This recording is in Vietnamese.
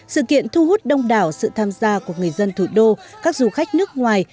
sự kiện thu hút đông đảo sự tham gia của người dân thủ đô các du khách nước ngoài